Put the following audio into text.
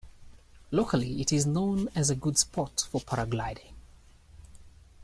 Locally it is known as a good spot for paragliding.